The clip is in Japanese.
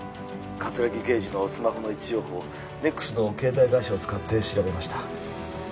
☎葛城刑事のスマホの位置情報をＮＥＸの携帯会社を使って調べました